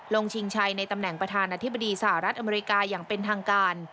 ชิงชัยในตำแหน่งประธานาธิบดีสหรัฐอเมริกาอย่างเป็นทางการ